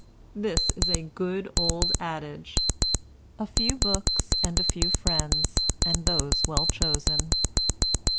This is a good old adage: 'A few books and a few friends, and those well chosen.'"